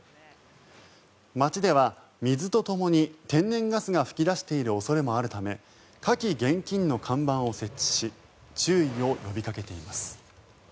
町では水とともに天然ガスが噴き出している恐れもあるため火気厳禁の看板を設置し注意を呼びかけています。